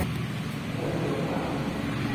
ขวดเดียวกลับ